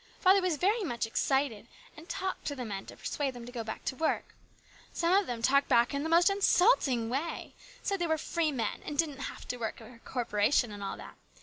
Father was very much excited, and talked to the men to persuade them to go back to work. Some of them talked back in the most insulting way ; said they were free men, and did not have to work for a corporation, and all that.